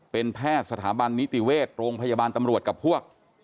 เป็นแพทย์สถาบันนิติเวชโรงพยาบาลตำรวจกับพวก